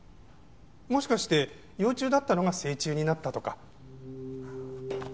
もしかして幼虫だったのが成虫になったとか。